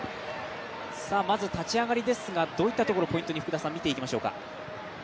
まず立ち上がりですがどういったところポイントに見ていきましょうか？